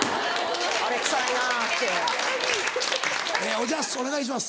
おじゃすお願いします。